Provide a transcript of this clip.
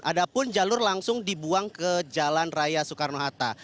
ada pun jalur langsung dibuang ke jalan raya soekarno hatta